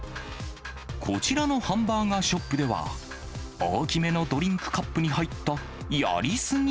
こちらのハンバーガーショップでは、大きめのドリンクカップに入ったやりすぎ？